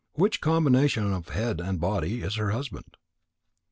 Which combination of head and body is her husband?